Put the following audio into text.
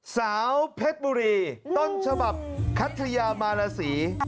สาวเพชรบุรีต้นฉบับคัทยามาราศี